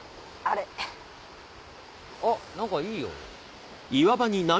あっ何かいいよ。